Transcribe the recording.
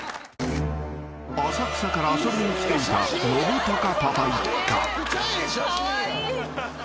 ［浅草から遊びに来ていたのぶたかパパ一家］